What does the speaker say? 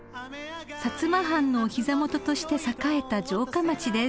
［薩摩藩のお膝元として栄えた城下町です］